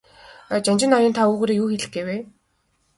Жанжин ноён та үүгээрээ юу хэлэх гээв?